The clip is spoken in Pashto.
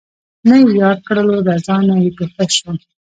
نه یې یار کړلو رضا نه یې په ښه شو